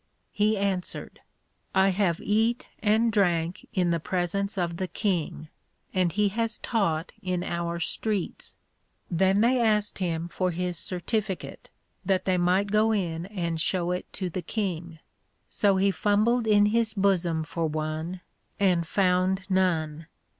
He answered, I have eat and drank in the presence of the King, and he has taught in our Streets. Then they asked him for his Certificate, that they might go in and shew it to the King. So he fumbled in his bosom for one, and found none.